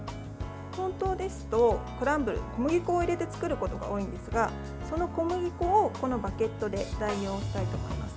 本当ですと、クランブルは小麦粉を入れて作ることが多いんですがその小麦粉をバゲットで代用したいと思います。